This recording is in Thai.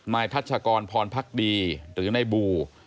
นายทัชกรพรพักดีหรือในบู่